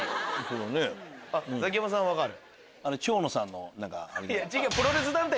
ザキヤマさん分かる？